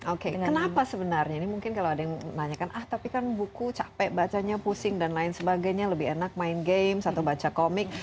oke kenapa sebenarnya ini mungkin kalau ada yang menanyakan ah tapi kan buku capek bacanya pusing dan lain sebagainya lebih enak main games atau baca komik